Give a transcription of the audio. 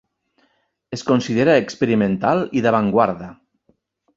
Es considera experimental i d'avantguarda.